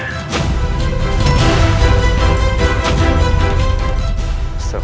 kepada ayah anda